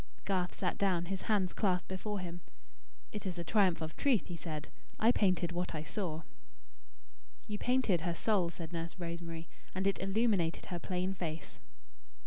Garth sat down, his hands clasped before him. "It is a triumph of truth," he said. "I painted what I saw." "You painted her soul," said Nurse Rosemary, "and it illuminated her plain face."